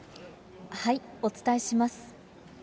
お伝えします。